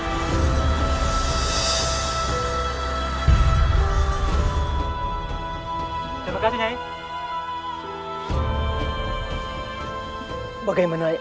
bagaimana mungkin ini bisa terjadi